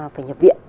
phải nhập viện